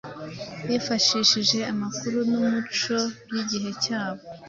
bifashishije amakuru n‟umuco by‟igihe cyabo